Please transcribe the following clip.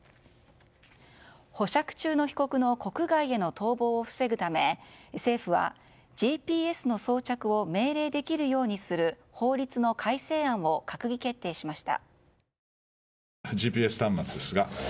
保釈中の被告の国外への逃亡を防ぐため政府はＧＰＳの装着を命令できるようにする法律の改正案を閣議決定しました。